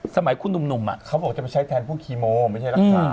สมัยคุณหนุ่มเขาบอกจะไปใช้แทนพวกคีโมไม่ใช่รักษา